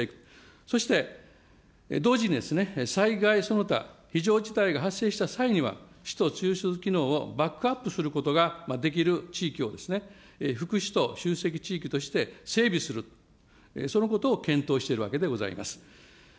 そして同時に、災害その他、非常事態が発生した際には、首都中枢機能をバックアップする機能ができる地域を、副首都地域として整備をする、そのことを検討しているわけであります。